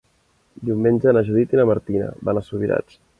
Diumenge na Judit i na Martina van a Subirats.